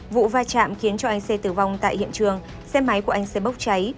vụ va chạm khiến cho anh xe tử vong tại hiện trường xe máy của anh xe bốc cháy